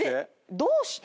「どうして？」